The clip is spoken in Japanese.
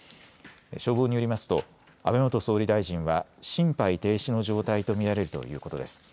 消防によりますと安倍元総理大臣は心肺停止の状態と見られるということです。